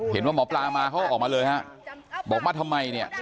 เห็นว่าหมอปลามาเขาก็ออกมาเลยฮะบอกว่าทำไมเนี่ย